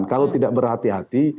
kalau tidak berhati hati